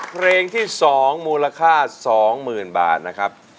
เพลงที่๒มูลค่า๒๐๐๐บาทนะครับ